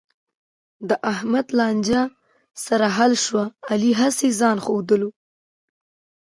د احمد لانجه سره حل شوه، علي هسې ځآن ښودلو.